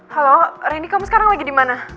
halo randy kamu sekarang lagi dimana